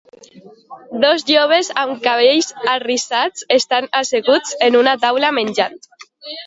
Dos joves amb cabells arrissats estan asseguts en una taula menjant